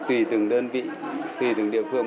tùy từng đơn vị tùy từng địa phương